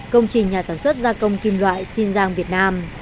công trình nhà sản xuất gia công kim loại xin giang việt nam